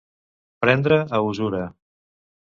Prendre a usura.